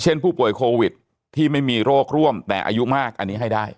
ผู้ป่วยโควิดที่ไม่มีโรคร่วมแต่อายุมากอันนี้ให้ได้